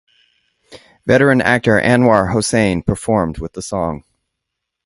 Veteran actor Anwar Hossain performed with the song.